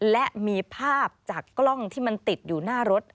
และมีภาพจากกล้องที่มันติดอยู่หน้ารถ